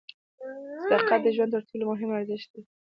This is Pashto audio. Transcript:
صداقت د ژوند تر ټولو مهم ارزښت دی.